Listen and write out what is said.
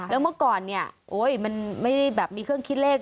แล้วเมื่อก่อนมันไม่ได้แบบมีเครื่องคิดเลข